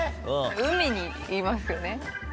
海にいますよね。